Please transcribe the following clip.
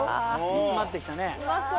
煮詰まって来たね。